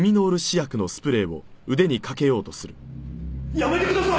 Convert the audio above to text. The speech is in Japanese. やめてください！